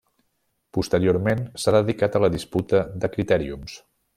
Posteriorment s'ha dedicat a la disputa de critèriums.